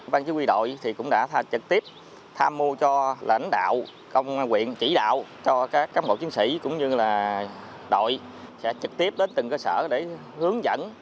ban chức quy đội cũng đã trực tiếp tham mô cho lãnh đạo công nguyện chỉ đạo cho các cấp bộ chiến sĩ cũng như là đội sẽ trực tiếp đến từng cơ sở để hướng dẫn